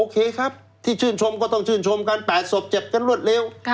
ครับที่ชื่นชมก็ต้องชื่นชมกัน๘ศพเจ็บกันรวดเร็ว